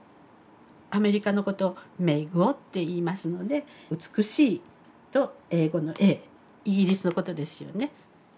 アメリカのことを美国といいますので美しいと英語の英イギリスのことですよね。